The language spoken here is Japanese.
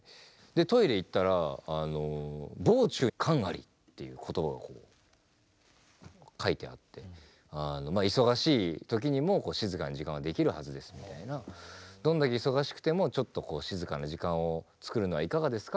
トイレ行ったら「忙中閑あり」っていう言葉が書いてあって忙しい時にも静かな時間はできるはずですみたいなどんだけ忙しくてもちょっと静かな時間を作るのはいかがですか？